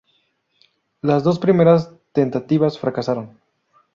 Las dos primeras tentativas fracasaron.